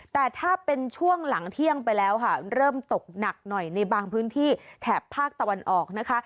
แต่ถ้าเป็นช่วงหลังเที่ยงไปแล้วค่ะเริ่มตกหนักหน่อยในบางพื้นที่แถบภาคตะวันออกนะคะ